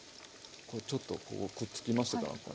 ちょっとここくっつきましたから。